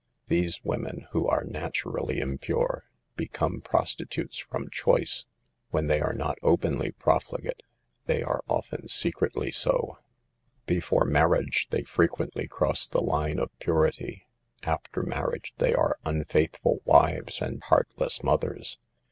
These women, who are naturally * impure, become prostitutes from choice. When they are not openly profligate they are often secretly so. CAUSES OF THE SOCIAL EVIL. 33 Before marriage they frequently cross the line of purity, after marriage they are unfaithful wives and heartless mothers.